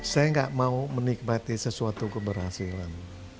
saya nggak mau menikmati sesuatu keberhasilan